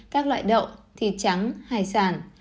các loại đậu thịt trắng hải sản